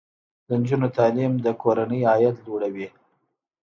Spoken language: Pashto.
د نجونو تعلیم د کورنۍ عاید لوړوي.